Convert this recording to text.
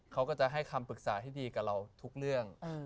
เขาก็จะให้คำปรึกษาที่ดีกับเราทุกเรื่อง